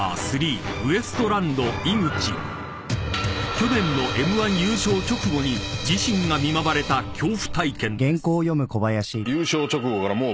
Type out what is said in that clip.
［去年のＭ−１優勝直後に自身が見舞われた恐怖体験です］